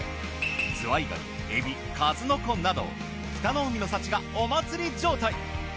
ズワイガニエビ数の子など北の海の幸がお祭り状態。